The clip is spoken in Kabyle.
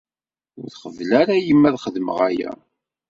Ur tqebbel ara yemma ad xedmeɣ aya.